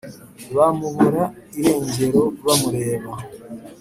bamubura irengero bamureba.